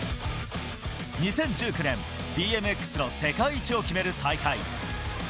２０１９年、ＢＭＸの世界一を決める大会。